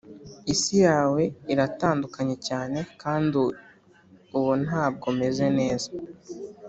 isi yawe iratandukanye cyane, kandi ubu ntabwo meze neza.